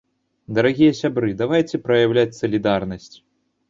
Дарагія сябры, давайце праяўляць салідарнасць!